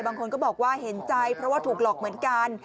บางคนก็บอกว่าเห็นใจเพราะว่าถูกหลอกเหมือนกัน